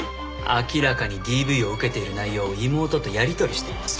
明らかにＤＶを受けている内容を妹とやり取りしています。